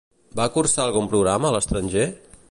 Va cursar algun programa a l'estranger?